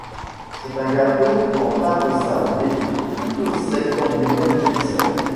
C'est un gâteau en pâte sablée plutôt sec d'environ d'épaisseur.